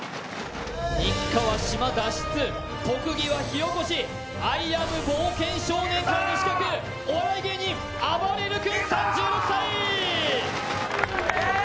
日課は島脱出、特技は火おこし、「アイ・アム・冒険少年」からの刺客、お笑い芸人、あばれる君３６歳。